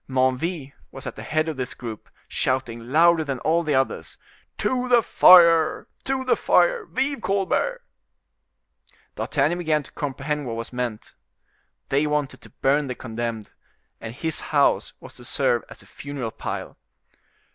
Menneville was at the head of this group, shouting louder than all the others, "To the fire! to the fire! Vive Colbert!" D'Artagnan began to comprehend what was meant. They wanted to burn the condemned, and his house was to serve as a funeral pile.